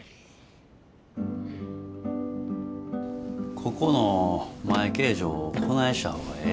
ここの前形状をこないした方がええと思うんです。